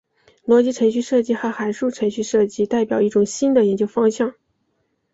逻辑程序设计和函数程序设计代表一种新的研究方向。